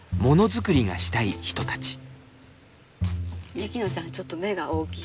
雪乃ちゃんちょっと目が大きい。